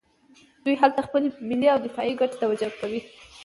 دوی هلته خپلې ملي او دفاعي ګټې توجیه کوي.